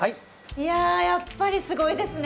いややっぱりすごいですね。